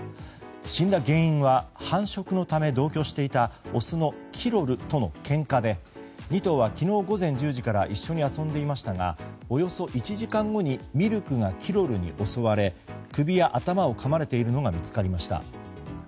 死んだ原因は繁殖のため同居していたオスのキロルとのけんかで２頭は昨日午前１０時から一緒に遊んでいましたがおよそ１時間後にミルクがキロルに襲われ首や頭をかまれているのが見つかりました。